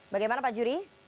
bagaimana pak juri